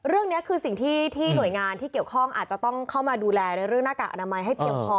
เรื่องนี้คือสิ่งที่หน่วยงานที่เกี่ยวข้องอาจจะต้องเข้ามาดูแลในเรื่องหน้ากากอนามัยให้เพียงพอ